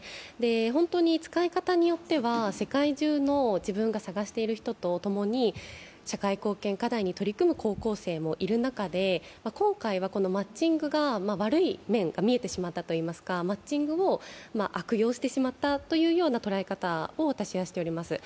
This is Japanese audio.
本当に使い方によっては世界中の自分が探している人と共に社会貢献課題に取り組む高校生もいる中で今回はマッチングが悪い面が見えてしまったといいますかマッチングを悪用してしまったというような捉え方を私はしています。